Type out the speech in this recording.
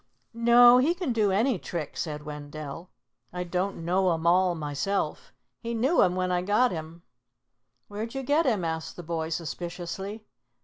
"No, he can do any trick," said Wendell. "I don't know 'em all myself. He knew 'em when I got him." "Where'd you get him?" asked the boy suspiciously.